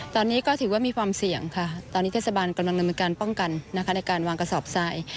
ตอนนี้ก็ถือว่ามีความเสี่ยงค่ะตอนนี้เทศบาลกำลังดำเนินการป้องกันนะคะในการวางกระสอบทราย